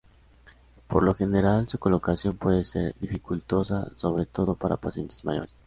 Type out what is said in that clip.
Por lo general su colocación puede ser dificultosa, sobre todo para pacientes mayores.